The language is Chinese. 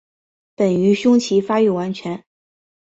本鱼胸鳍发育完全。